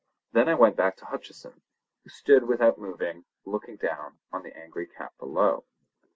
Then I went back to Hutcheson, who stood without moving, looking down on the angry cat below.